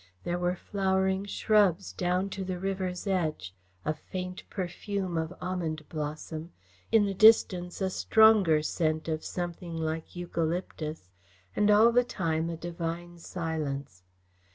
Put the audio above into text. There were flowering shrubs down to the river's edge, a faint perfume of almond blossom, in the distance a stronger scent of something like eucalyptus, and all the time a divine silence.